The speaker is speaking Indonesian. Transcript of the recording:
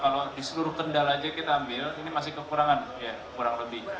kalau di seluruh kendal aja kita ambil ini masih kekurangan kurang lebih